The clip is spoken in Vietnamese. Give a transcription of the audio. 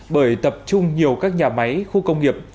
bởi tập trung nhiều các nhà máy khu công nghiệp